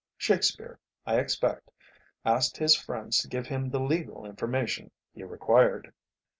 Shakespeare, I expect, asked his friends to give him the legal information he required."